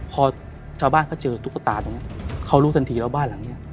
พอชาวบ้านเขาเจอตุ๊กตาตรงนี้เขารู้ทันทีแล้วบ้านหลังนี้